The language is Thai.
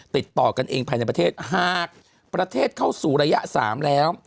ติดต่อกันเองภายในประเทศหากประเทศเข้าสู่ระยะ๓แล้ว